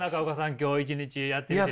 今日一日やってみてね。